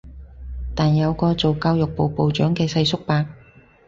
但有個做教育部部長嘅世叔伯